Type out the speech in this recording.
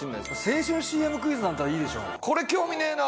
青春ＣＭクイズなんてのはいいでしょ。